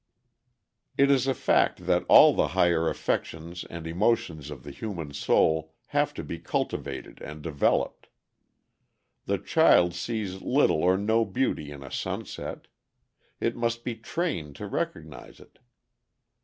] It is a fact that all the higher affections and emotions of the human soul have to be cultivated and developed. The child sees little or no beauty in a sunset; it must be trained to recognize it.